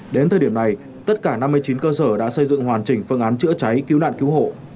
đến thời điểm này tất cả năm mươi chín cơ sở đã xây dựng hoàn chỉnh phương án chữa cháy cứu nạn cứu hộ